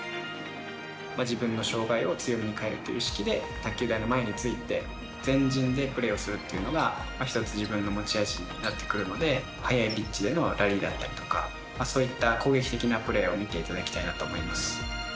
自分の障がいを強みに変えるという意識で卓球台の前について前陣でプレーするっていうのが１つ、自分の持ち味になってくるので速いピッチでのラリーだったりとかそういった攻撃的なプレーを見ていただきたいなと思います。